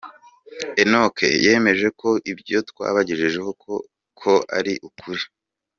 Enock yemeje ko ibyo twabagejejeho koko ari ukuri.